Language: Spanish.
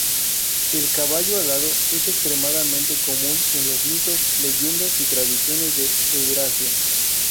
El caballo alado es extremadamente común en los mitos, leyendas y tradiciones de Eurasia.